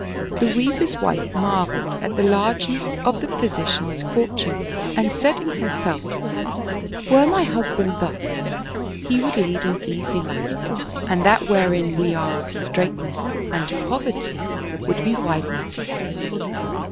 The Weaver's wife marveled at the largeness of the physician's fortune and said in herself, "Were my husband thus, he would lead an easy life and that wherein we are of strait ness and poverty would be widened to him."